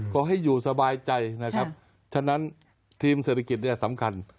ขอให้อยู่สบายใจนะครับฉะนั้นทีมเศรษฐกิจเนี่ยสำคัญ